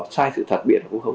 sai sự thật biệt của quốc hội